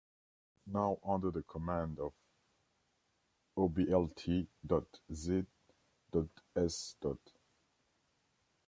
Now under the command of Oblt.z.S.